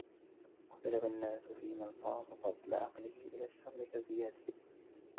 وَاخْتَلَفَ النَّاسُ فِيمَنْ صَرَفَ فَضْلَ عَقْلِهِ إلَى الشَّرِّ كَزِيَادٍ